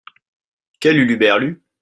Quel huluberlus !